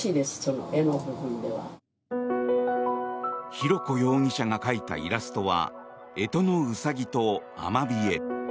浩子容疑者が描いたイラストは干支のウサギとアマビエ。